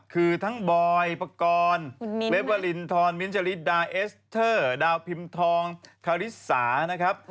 คือทั้งบอยปกรณ์เวฟวาลินทรมิ้นจริตดาเอสเตอร์ดาวพิมพ์ทองคาริสานะครับ